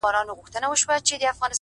د تورو زلفو په هر تار راته خبري کوه،